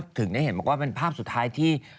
ถึงได้เห็นบอกว่าเป็นภาพสุดท้ายที่